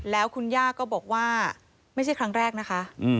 แล้วคุณย่าก็บอกว่าไม่ใช่ครั้งแรกนะคะ